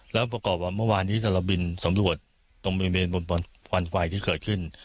แล้วประกอบว่าเมื่อวานนี้สารบินสำรวจตรงบริเวณควันไฟที่เกิดขึ้น